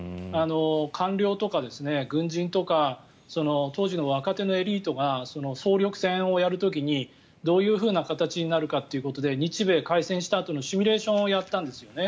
官僚とか軍人とか当時の若手のエリートが総力戦をやる時に、どういう形になるかっていうことで日米開戦したあとのシミュレーションをやったんですよね。